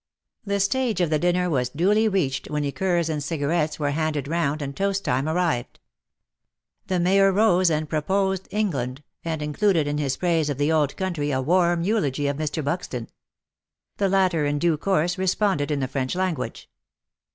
The stage of the dinner was duly reached when liqueurs and cigarettes were handed round, and toast time arrived. The Mayor rose and proposed *' England," and included in his praise of the Old Country a warm eulogy of Mr. Buxton. The latter in due course responded in the French language.